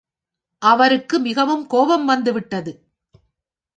அவருக்கு மிகவும் கோபம் வந்துவிட்டது.